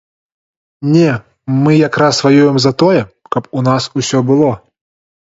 Не, мы якраз ваюем за тое, каб у нас усё было.